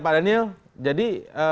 pak daniel jadi